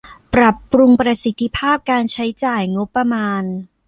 ปรับปรุงประสิทธิภาพการใช้จ่ายงบประมาณ